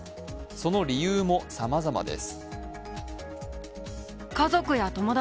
その理由もさまざまです。